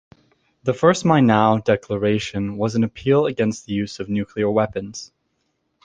The first Mainau Declaration was an appeal against the use of nuclear weapons.